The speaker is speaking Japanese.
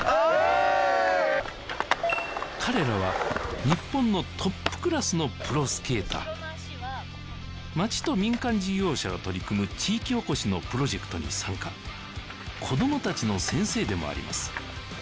彼らは日本のトップクラスのプロスケーター町と民間事業者が取り組む地域おこしのプロジェクトに参加子どもたちの先生でもあります